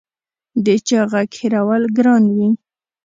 د چا غږ هېرول ګران وي